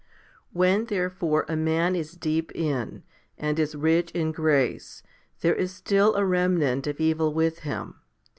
1 4. When therefore a man is deep in, and is rich in grace, there is still a remnant of evil with him.